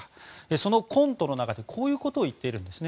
そのコントの中でこういうことを言っているんですね。